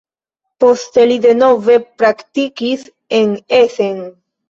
Poste li denove praktikis en Essen.